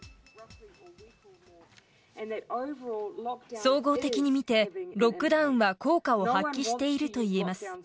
総合的に見て、ロックダウンは効果を発揮しているといえます。